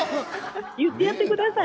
言ってやってください。